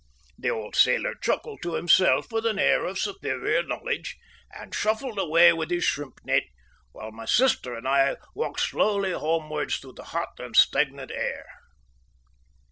The old sailor chuckled to himself with an air of superior knowledge, and shuffled away with his shrimp net, while my sister and I walked slowly homewards through the hot and stagnant air.